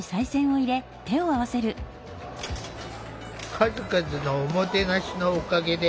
数々のおもてなしのおかげで。